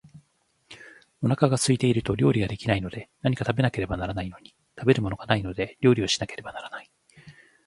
お腹が空いていると料理が出来ないので、何か食べなければならないのに、食べるものがないので料理をしなければならない